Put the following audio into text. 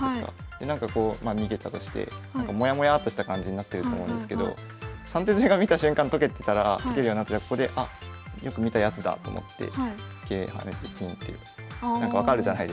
でなんかこう逃げたとしてもやもやっとした感じになってると思うんですけど３手詰が見た瞬間解けるようになってたらここで「あっよく見たやつだ」と思って桂跳ねて金ってなんか分かるじゃないですか。